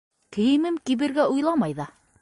—Кейемем кибергә уйламай ҙа!